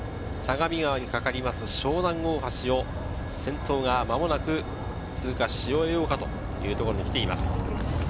相模湾にかかる湘南大橋を先頭が間もなく通過し終えようかというところに来ています。